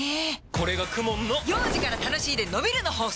これがＫＵＭＯＮの幼児から楽しいでのびるの法則！